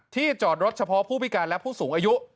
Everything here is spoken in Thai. จอดรถเฉพาะผู้พิการและผู้สูงอายุ